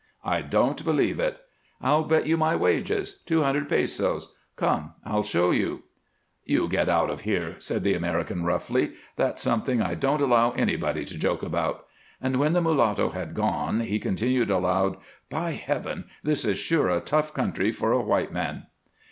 "I don't believe it." "I'll bet you my wages two hundred pesos. Come! I'll show you." "You get out of here," said the American, roughly. "That's something I don't allow anybody to joke about." And, when the mulatto had gone, he continued aloud: "By Heaven! this is sure a tough country for a white man!"